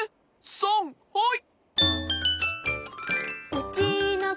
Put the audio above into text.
さんはい！